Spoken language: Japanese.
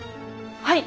はい。